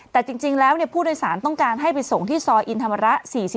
แต่จริงแล้วผู้โดยสารต้องการให้ไปส่งที่ซอยอินธรรมระ๔๔